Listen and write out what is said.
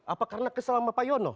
apa karena keselamatan pak yono